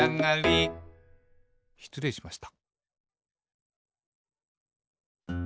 しつれいしました。